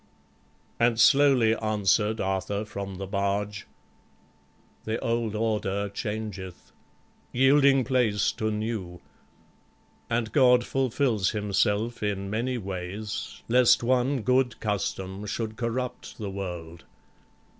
And slowly answer'd Arthur from the barge: "The old order changeth, yielding place to new, And God fulfils himself in many ways, Lest one good custom should corrupt the world.